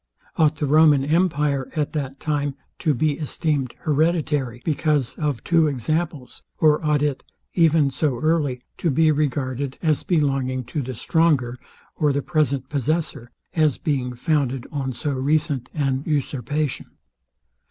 Ought the Roman empire at that time to be esteemed hereditary, because of two examples; or ought it, even so early, to be regarded as belonging to the stronger, or the present possessor, as being founded on so recent an usurpation?